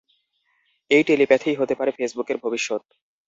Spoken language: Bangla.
এই টেলিপ্যাথিই হতে পারে ফেসবুকের ভবিষ্যৎ।